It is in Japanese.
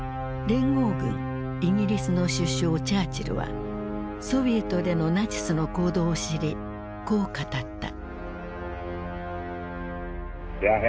連合軍イギリスの首相チャーチルはソビエトでのナチスの行動を知りこう語った。